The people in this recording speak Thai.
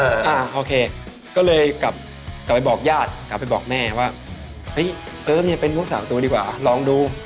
อ่าโอเคก็เลยกลับไปบอกญาติกลับไปบอกแม่ว่าเฮ้ยเป็นผู้สาวประตูดีกว่าลองดู